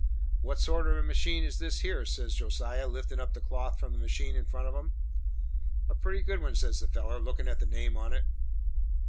"What sort of a machine is this here?" says Josiah, liftin' up the cloth from the machine in front of him. "A pretty good one," says the feller, lookin' at the name on it.